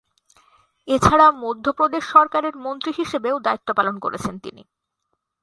এছাড়া, মধ্যপ্রদেশ সরকারের মন্ত্রী হিসেবেও দায়িত্ব পালন করেছেন তিনি।